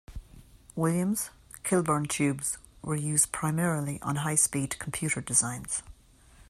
Williams-Kilburn tubes were used primarily on high-speed computer designs.